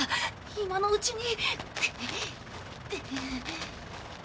今のうちに。